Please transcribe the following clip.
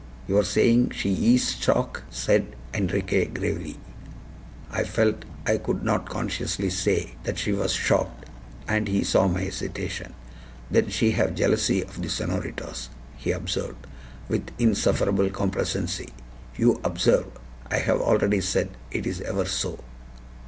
"You are saying she ees shock?" said Enriquez, gravely. I felt I could not conscientiously say that she was shocked, and he saw my hesitation. "Then she have jealousy of the senoritas," he observed, with insufferable complacency. "You observe! I have already said. It is ever so."